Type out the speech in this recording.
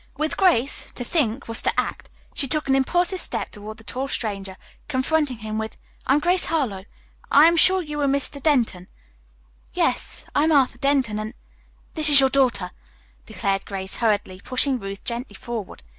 With Grace to think was to act. She took an impulsive step toward the tall stranger, confronting him with, "I am Grace Harlowe. I am sure you are Mr. Denton." "Yes, I am Arthur Denton, and " "This is your daughter, Ruth," declared Grace hurriedly, pushing Ruth gently forward.